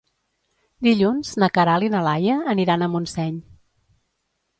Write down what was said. Dilluns na Queralt i na Laia aniran a Montseny.